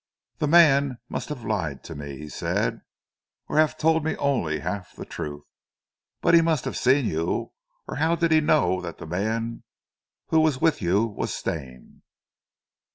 "The man must have lied to me," he said, "or have told me only half the truth, but he must have seen you, or how did he know that the man who was with you was Stane?"